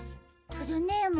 フルネーム